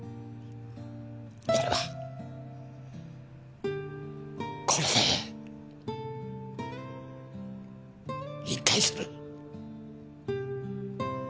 俺はこれで引退する。